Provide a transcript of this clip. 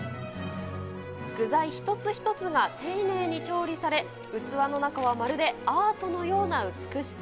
具材一つ一つが丁寧に調理され、器の中はまるでアートのような美しさ。